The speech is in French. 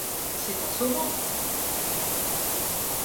C’est assommant !